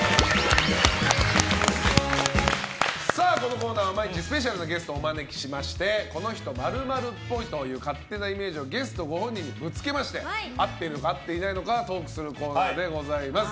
このコーナーは毎日スペシャルなゲストをお招きしましてこの人○○っぽいという勝手なイメージをゲストご本人にぶつけまして合ってるのか合ってないのかトークするコーナーでございます。